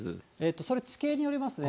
それ、地形によりますね。